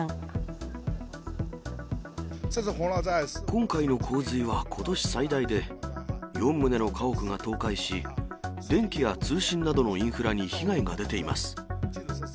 今回の洪水は、ことし最大で、４棟の家屋が倒壊し、電気や通信などのインフラに被害が出ています。